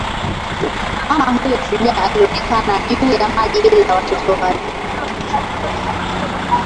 mama huyo shujaa alionekana juu ya maji bila watoto wake